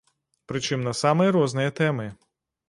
Прычым на самыя розныя тэмы.